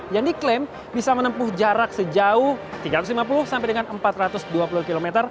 yang diklaim bisa menempuh jarak sejauh tiga ratus lima puluh sampai dengan empat ratus dua puluh km